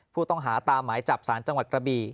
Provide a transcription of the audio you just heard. ผู้ต้องหาตามหมายจับสารจังหวัดกระบี่